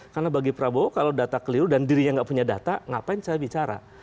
karena bagi prabowo kalau data keliru dan dirinya tidak punya data ngapain saya bicara